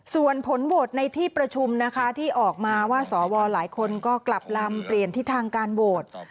ส่วนผลโหวตในที่ประชุมนะคะที่ออกมาว่าสวหลายคนก็กลับลำเปลี่ยนทิศทางการโหวต